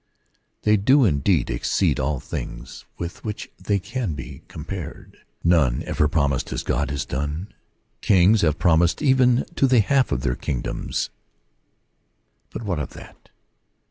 They do indeed exceed all things with which they can be com pared. None ever promised as God has done. Kings have promised even to the half of their king doms ; but what of that